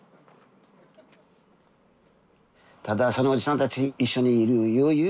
ただそのおじさんたち一緒にいる余裕